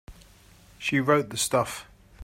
She wrote the stuff.